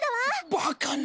バカな。